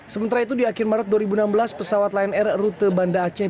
sementara itu di akhir maret dua ribu enam belas pesawat lion air rute banda aceh